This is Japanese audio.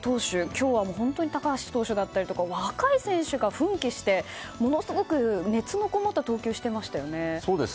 今日は本当に高橋投手だったり若い選手が奮起してものすごく熱のこもった投球をしていましたよね。